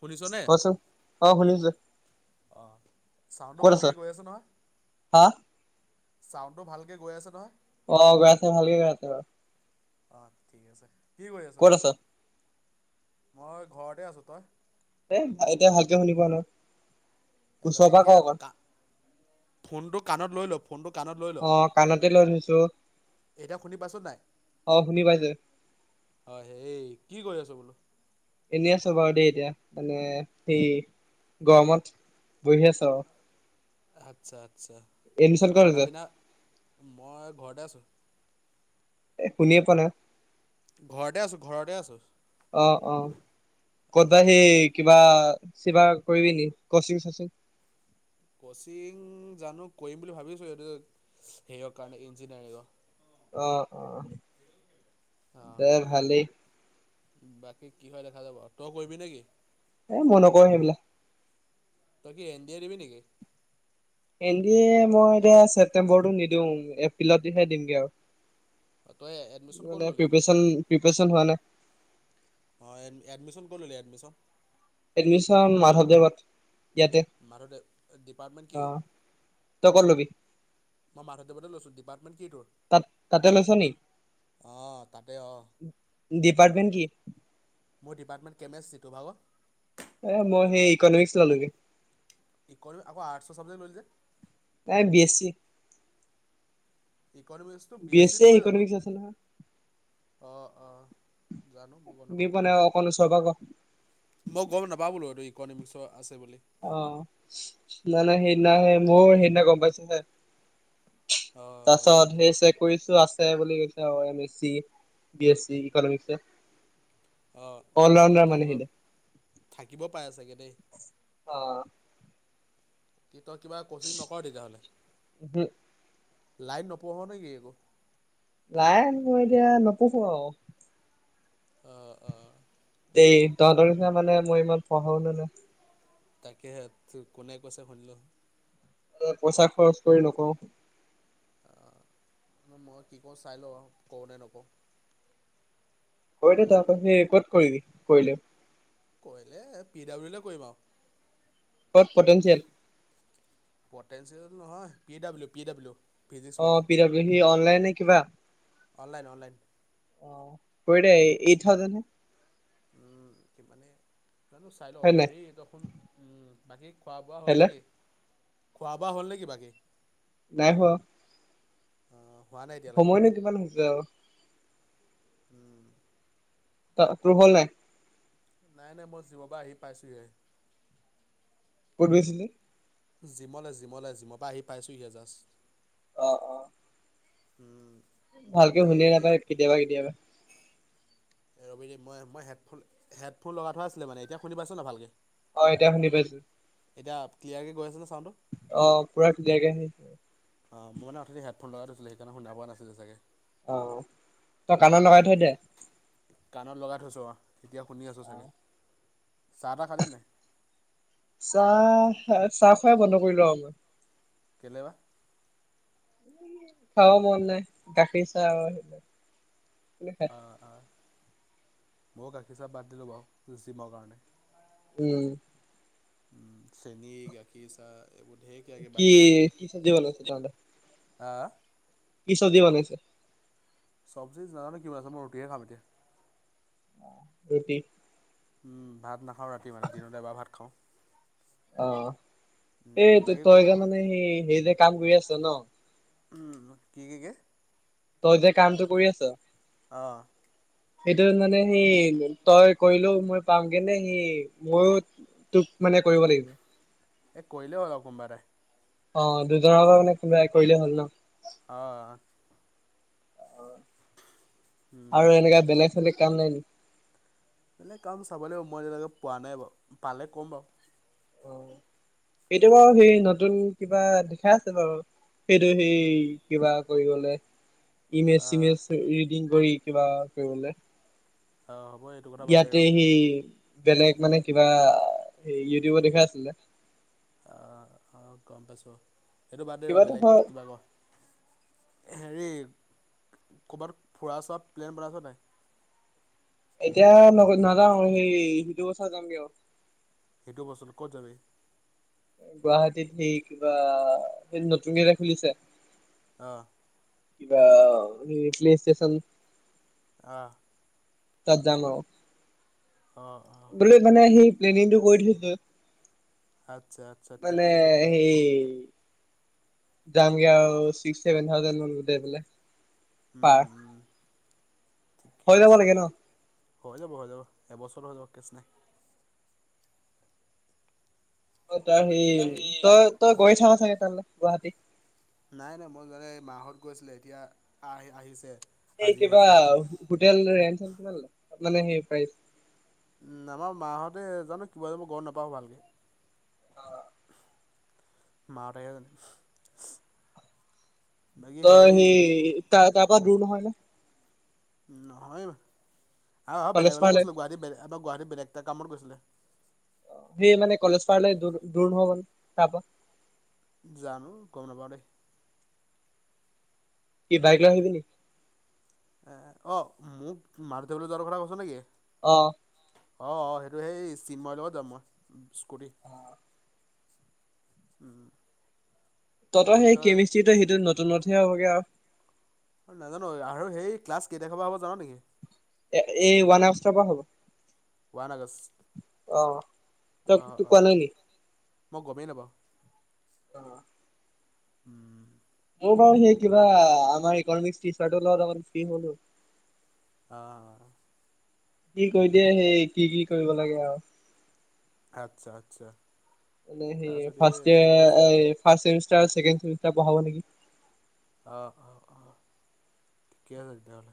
শুনিছনে? কচোন অ শুনি যে চাউণ্ডটো ভালকে গৈ আছে নহয় হা চাউণ্ডটো ভালকে গৈ আছে নহয় অ গৈ আছে ভাল গৈ আছে বাৰ অ ঠিক আছে। কি কৰি আছ মই ঘৰতে আছো, তই? এ এতিয়া ভালকে শুনি পোৱা নাই। ওচৰৰ পৰা ক এতিয়া অকণ কা ফোনটো কাণত লৈ লওক- ফোনটো কাণত লৈ ল অ কাণতে লৈ থৈছো এতিয়া শুনি পাইছ নে নাই অ শুনি পাইছো অ হেই কি কৰি আছো বোলো। এনে আছো বাৰু দেই এতিয়া মানে সেই গৰমত বহি আছো আৰু আচ্ছা। আচ্ছা ক'ত খানা লৈছ পিনা মই ঘৰতে আছোঁ। এ শুনিয়ে পোৱা নাই। ঘৰতে আছোঁ ঘৰতে আছোঁ। অ! অ কত অঁ সি বাক কিবা, কিবা কৰিবি নি কচিং চচিং? কচিং জানো কৰিম বুলি ভাবিছো এইটো সেইয়ৰ কাৰণে ইঞ্জিনিয়াৰিঙৰ আহ আহ অঁ দে ভালেই বাকী কি হয় দেখা যাব। তই কৰিবি নেকি? এ মই নকৰোঁ সেইবিলাক তই কি এন ডি এ দিবি নেকি? এন ডি এ মই এতিয়া ছেপ্তেম্বৰটো নিদিওঁ এপ্ৰিলতহে দিমগে অ তই এডমিশ্যন আৰু ক'ত মানে ল'লি? পিপ্ৰেচন, পিপ্ৰেচন। এডমিছন হোৱা নাই। অ' এড, এডমিচন কত ললি? এডমিচন? এডমিচন মাধৱদেৱত। ইয়াতে মাধৱদেৱ। ডিপাৰ্টমেণ্ট অ কি? তই ক'ত লবি মই মাধৱদেৱতে লৈছোঁ। ডিপাৰ্টমেণ্ট কি তোৰ? তাত তাতে লৈছ নি অঁ তাতে অ'। ডিপাৰ্টমেন্ট কি মোৰ ডিপাৰ্টমেণ্ট কেমেষ্টি। টোৰ ভাগৰ? এ মই সেই ইকনমিক্স ললোগে। ই'ক আকৌ আৰ্টছৰ ছাবজেক্ট ললি যে? তনাই বি-এছ-চি। ইকনমিক্সটো বি এছ চি পৰে জানো? ইকনমিক্স আছে নহয় অ' অ। জানো মই গম শুনি নাপাওঁ। পোৱা নাই অকণ ওচৰৰ পৰা ক মই গম নাপাওঁ বোলো। টো ইকনমিক্সৰ আছে বুলি। অ' নানা সেই দিনাই হে মই সেইদিনা গম পাইছোঁ হে। তাৰ অঁ পাছত সেই চেক কৰিছো আছে বুলি আছে কৈছে, M S C, B S C economics অ অল দ, ৰাউণ্ডাৰ মানে থাকিব। সিহঁতে থাকিব পাৰে চাগে দেই। অহ কি তই কিবা ক'চিং নকৰ, তেতিয়াহ'লে? লাইন নপঢ় নেকি একো? লাইন, মই এতিয়া নপঢ়ো ছা আৰু অঁ অঁ এই তহঁতৰ নিচনা মানে মই ইমান পঢ়া-শুনা নাই তাকেহে, কোনে কৈছে শুনি'ল পইচা খৰচ কৰি নকওঁ মই কি কৰো চাই লওঁ আৰু কৰোঁনে নকৰোঁ। কৈদে তই আকৌ সি ক'ত কৰিবি কৰিলে? কৰিলে, পি ডাব্লিউলে কৰিম আৰু কত পটেনচিয়েল? পটেঞ্চিয়েল নহয়, পি ডাব্লিউ, পি ডাব্লিউ অহ, Physics Wallah P W C online নে কিবা? অনলাইন-অনলাইন অ' কৰি দে এ-এইট থাউজেণ্ড হে। [unintelligible] জানো চাই লও, হয় নাই হেৰি দেখোন, উম। বাকী খোৱা বোৱা হ'লনে হেল্ল' কি? খোৱা বোৱা হ'ল নেকি, বাকী। নাই হোৱা। অহ। সময়নো কিমান হৈছে আৰু। উম। অহ, তোৰ হল নাই? নাই নাই মই জিম ৰ পৰা আহি পাইছোহি হে। ক'ত গৈছিলি? জিমলে জিমলে, জিমৰ পৰা আহি পাইছোহিহে জাষ্ট। অহ অহ। উম। ভালকে শুনিয়ে নাপায় কেতিয়াবা কেতিয়াবা। ৰবি মই মই হেডফোন হেডফোন লগাই থোৱা আছিলে মানে, এতিয়া শুনি পাইছ নে ভালকে? অহ এতিয়া শুনি পাইছো। এতিয়া ক্লিয়াৰ কে গৈ আছে নে অহ পুৰা ধুনিয়াকে আহি আছে। অহ, মই মানে অথনি হেডফোন লগাই থৈছিলো, সেইকাৰণে শুনা পোৱা নাছিলো চাগে। অহ, তই কাণত লগাই থৈ দে। কাণত লগাই থৈছোঁ অহ। এতিয়া শুনি আছোঁ চাগে। চাহ তাহ খালি নাই? চাহ চাহ খোৱা বন্ধ কৰিলো আৰু মই। কেলে বা? খাব মন নাই, গাখীৰ চাহ আৰু সেইবিলাক। কোনে খাই অহ অহ। ময়ো গাখীৰ চাহ বাদ দিলো বাৰু, জিমৰ কাৰণে। উম। উম চেনী, গাখীৰ চাহ এইবোৰ ঢেৰ কিবা কিবি বাদ কি কি চব্জি বনাইছে তহতৰ? আহ কি চব্জি বনাইছে? চব্জি জানো কি বনাইছে, মই ৰুটি হে খাম এতিয়া। ৰুটি উম, ভাত নাখাওঁ ৰাতি মানে দিনত এবাৰ ভাত খাওঁ। অহ উম, এই বাকী ক তই গে মানে হেৰি হেৰি যে কাম কৰি আছ ন। উম কি কি কি? তই যে কামটো কৰি আছ অহ। সেইটো মানে সি তই কৰিলেও মই পাম গেনে সি ময়ো তোক মানে কৰিব লাগিব। এ কৰিলেই হ'ল আৰু কোনোবাএটাই। অহ দুজন [unintelligible] কৰিলে হ'ল ন অহ। উম। আৰু এনেকা বেলেগ চেলেগ'। কাম নাই ন,। বলে কাম চাব লাগিব মই যেনেকে পোৱা নাই বাৰু পালে ক'ম বাৰু'। অ 'এইটো বাৰু সেই নতুন কিবা দেখাই আছে বাৰু,। সেইটো সেই কিবা কৰিব গলে'। ইমেজ, চিমেজ ৰিডিং কৰি। কিবা কৰিবলে'। অঁ হ'ব এইটো কথা বাদ দে ৰ ইয়াতে সেই বেলেগ মানে কিবা সেই ইউটিউবত দেখা আছিলে,। অ 'গম পাইছো,। সেইটো বাদ দেই ৰ কিবা এটা বেলেগ হয় কিবা ক হেৰি কৰ'বাত ফুৰা চোৱা প্লেন বনাইছ নাই? এতিয়া ন নাযাওঁ সেই সিটো বছৰ যামগে আৰু,। সেইটো বচোন ক'ত যাবি'। গুৱাহাটীত সেই কিবা সেই নতুনকেইটা খুলিছে,। আহ,। কিবা [inaudible] ষ্টেচন'। আহ,। তাত জান'। অ,। বোলে মানে সেই প্লেনিংটো কৰি থৈছো'। আচ্ছা আচ্ছা মানে ঠিকে আছে তেতিয়া সেই,। যামগে আৰু ছিক্স চছেভেন থাজেড মানো বোলে'। পাৰ উম উম ঠিকে হৈ যাব আছে লাগে ন হৈ যাব হৈ যাব এবছৰ হৈ যাব কেচ নাই'। অ 'তাৰ হে বাকী সেই তই, তই গৈ থা চাগে তে। গুৱাহাটী নাই নাই মই জানে মাহত গৈছিলে এতিয়া আহ আহিছে এই আজি কিবা আহিছে হোটেল ৰে'। আল নে সেই প্ৰাই,। উম আমাৰ মাহঁতে জানো কিবা যই গম নাপাওঁ ভালকে,। অ',। মাৰতেয়ান। তই সেই তা তাক ক' দূৰ নহয় নে। নহয়। অহ, অহ, কলেজ বেলেগলৈ পাৰলে গৈছিলোঁ গুৱাহাটী বে গুৱাহাটী বেলেগ এটা কামত গৈছিলে। সেই মানে কলেজ পাৰলৈ দূ-দূৰ নহ'ব মানে তাৰপা। জানো গম নাপাওঁ দেই। কি বাইক লৈ আহিবি নি? এ অহ, মোক মাৰ [unintelligible] কথা কৈছ' নেকি? অহ। অ', অ', সেইটো সেই চিন্ময়ৰ লগত যাম মই। স্কুটিত। উম। তহঁতৰ বাকী সেই তই কেমিষ্ট্ৰিটো সেইটো নতুনতহে হ'বগে আৰু। মই নাজানো আৰু সেই ক্লাছ কেতিয়াৰ পৰা হ'ব জান' নেকি? এ এই ওৱান আগষ্টৰ পৰা হ'ব ওৱান আগষ্ট অহ, অ তই তোক অ কোৱা নাই নি? মই গমেই নাপাওঁ অহ। উম। মোৰ বাৰু সেই কিবা আমাৰ ইকনোমিক্স টিচাৰটোৰ লগত অকণ ফ্ৰী হ'লো। অ'। সি কৈ দিয়ে, সেই কি, কি কৰিব লাগে আৰু আচ্ছা আচ্ছা মানে সেই তাৰপিছতে ৰ্ফাষ্ট ইয়েৰ এক আ, আগষ্টলৈ ৰ্ফাষ্ট ছেমিস্তাৰ, ছেকেণ্ড ছেমিস্তাৰ পঢ়াব নেকি অ', অ', অ', ঠিকে আছে তেতিয়াহ'লে।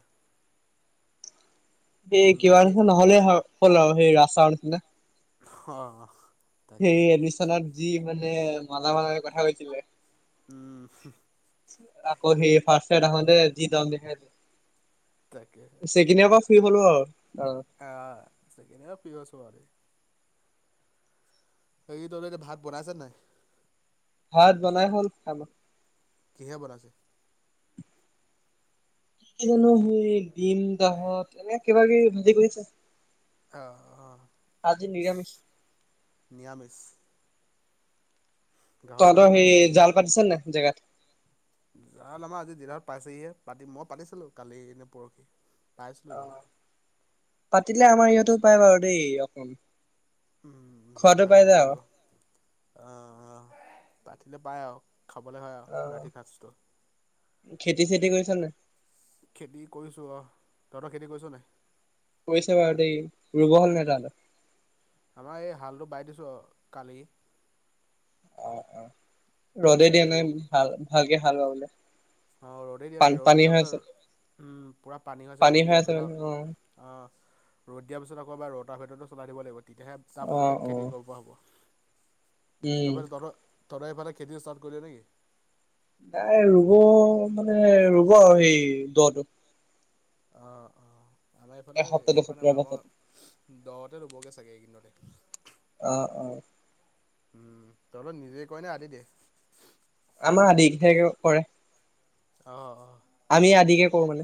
এই কিবা বাকী [unintelligible] নহ'লে হয় হ'ল আৰু সেই ৰাজ চাৰৰ নিচিনা অ'। তাকে হেৰি এডমিচনত দি মানে মালা বাৰ লগত কথা পাতিছিলে, উম আকৌ সেইয়ে ৰ্ফাষ্ট সেইদিনাখনে যি দ'ম দেখাইছে ছেকেণ্ড ইয়েৰৰ প ফ্ৰী হ'লো আৰু অ'। আ, ছেকেণ্ড ইয়েৰৰ [unintelligible] বাকী তহঁতৰ এতিয়া ভাত বনাইছো নে নাই? ভাত বনাই হ'ল, খালোঁ। কিহে বনাইছে? কি জানো সেই ডিম দাহত এনে কিবা কিবি ভাজি কৰিছে। অ', অ'। আজি নিৰামিষ। নিৰামিষ গাহৰি তহঁতৰ চাহৰি নাই সেই নেকি? জাল পাতিছে নাই জেগাত? জাল আমাৰ আজি দিনত পাইছেহিহে পাতি মই পাতিছিলো কালি নে পৰহি। পাইছিলো ন অ', পাতিলে আমাৰ ইয়াতো পায় বাৰু দেই অকণ। উম জোৰ খোৱাটো পাই কাটিব যায় যাব আৰু লাগিব আহ আহ, পাতিলে পায় আও, খাবলে হয় আও অ'। ৰাতি খাজটো। ছ নাই খেতি কৰিছোঁ অহ তহঁতৰ খেতি কৰিছ নাই? কৰিছে বাৰু দেই, ৰুব হলে। [unintelligible] আমাৰ এই হালটো বাই দিছোঁ আৰু কালি অ অ, ৰ'দেই বাকী দিয়া ৰু নাই ভাল- ভালকে হাল বাবলে [unintelligible] অ ৰ'দেই দিয়া পান নাই ৰ'দত পানী দিয়া হৈ আছে পিছত উম পুৰা পানী হৈ আছে ৰ'দ দিয়া পিছত আও আ ৰ'দ দিয়া পিছত আও কবাৰ পৰা ৰতা ভেতটো চলাই দিব লাগিব। তিতিয়াহে অ তাৰপিছতহে অ খেতি কৰিব পৰা হ'ব। উম তাপিল তহঁতৰ তহঁত হেফালে খেতি ষ্টাৰ্ট কৰিলে নেকি। নাই ৰুব, মানে ৰুব আৰু এই দটো। অ, আমাৰ এইফালে এসপ্তাহ হেই কৰা নাই দুসপ্তাহৰ বাৰ পাছত আমাৰ দতে ৰুবগে চা চাগে এইকেদিনতে। অ অ, উম তহঁত নিজে কয়ে নে আধি দিয়ে। আমাৰ আধি হে কৰে। অ, কৌ মানে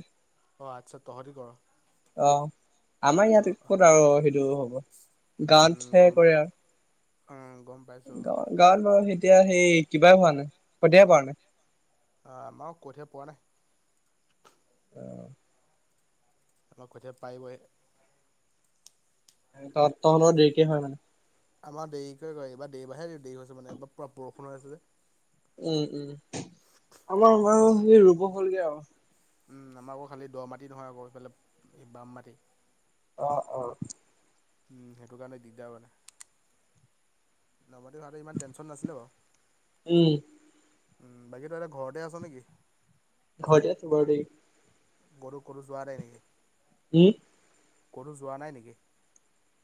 অ আচ্ছা তহঁতি কৰ অ', আমাৰ অঁ ইয়াত অঁ ক'ত আৰু হেইটো হব। [inaudible] গান্ত হে কৰে আৰু। অ'। গাঁও- গাঁওত বাৰু হেই এতিয়া সেই কিবা হোৱা নাই, পঠিয়াব পাৰা নাই। আ আমাও কঠীয়া পৱা নাই। আমা কঠীয়া পাৰিবহে। তহঁতৰ দেৰিকে হয় মানে? আমাৰ দেৰিকৈ কৰে এইবাৰ দেৰিবঢাহে দেৰি হৈছে মানে এইবাৰ পৰা বৰষুণ হৈ আছে যে উম উম আমাৰ মান সেই ৰুব হ'লগে আও উম, আমাৰ আকৌ খালি দ মাটি নহয় আকৌ সিফালে বাম মাটি। অ' অ'। উম, সেইটো কাৰণে দিগদাৰ মানে। লগৰটো বাবে ইমান টেনচন নাছিলে বাৰু। উম, বাকী তই এতিয়া ঘৰতে আছ নেকি? ঘৰতে আছোঁ বাৰু দে। কতো কতো যোৱা নাই নেকি? কি? কতো যোৱা নাই নেকি?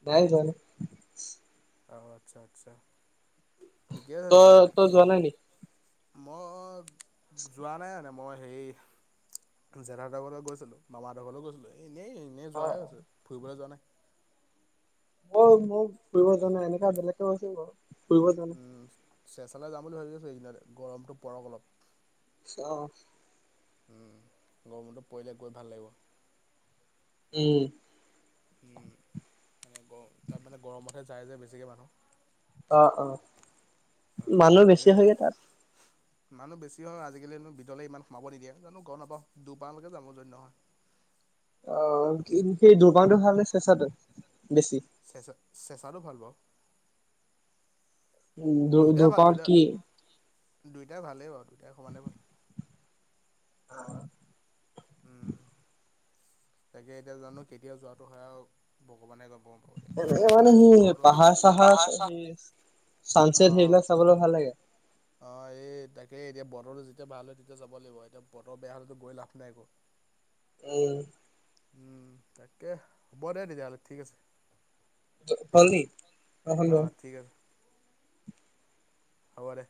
নাই যোৱা নাই। অ'আচ্ছা আচ্ছা। ঠিকে আছে তই তেতিয়াহ'লে তই যোৱা নাই নি? মই যোৱা নাই এনে। মই হেই এই জেঠাহতঁৰ ঘৰলৈ গৈছিলো, মামা হঁতৰ ঘৰলৈও গৈছিলো এই। এনেই এনেই অ যোৱাহে অ হৈছে, ফুৰিবলৈ যোৱা নাই। মই, মোক ফুৰিব যোৱা নাই এনেকা বেলেগ কাম আছিল বাৰু। ফুৰিব যোৱা নাই। চেচালে যাম বুলি ভাবি আছো এইকেদিনতে, গৰমটো পৰক অলপ। অ'। উম, গৰমটো পৰিলে গৈ ভাল লাগিব। উম। উম, মানে গৰম, তাত মানে গৰমতহে যায় যে বেছিকে মানুহ। অ', অ', অ মানুহ তাকে বেছি হয়নে তাত? মানুহ বেছি হয় আজিকালি হেনো ভিতৰলে ইমান সোমাব নিদিয়ে। জানো গম নাপাওঁ। দুবাই লৈকে যাম, যদি নহয়। অ' কি সেই দুবাইটো ভাল নে চেচাটো? বেছি। চেচাটো ভাল পাওঁ। উম, দুবায় কি? দুইটাই ভালেই বাৰু, দুইটাই সমানেই ভাল। অ'। উম তাকে এতিয়া জানো কেতিয়া যোৱাটো হয় আৰু ভগৱানে গম পাব। এতিয়া। এনে মই মানে মোৰ বতৰটো পাহাৰ অ চাহাৰ সেই, চানচেট সেইবিলাক চাবলৈ ভাল লাগে। অ এই তাকে এতিয়া বতৰটো যেতিয়া ভাল হয় তেতিয়া যাব লাগিব এতিয়া বতৰ বেয়া হ'লেতো গৈ লাভ নাই একো। উম। উম, তাকে। হ'ব দে, তেতিয়াহলে ঠিক আছে। হ'ল নি? অ, ঠিক আছে। হ'ব দে।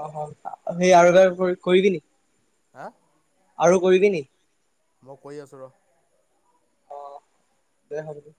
অ', হ'ল। সেই আৰু এবাৰ কৰিবি নেকি। হা। আৰু কৰিবি নি। মই কৈ আছোঁ ৰহ। অ', দে হব দে।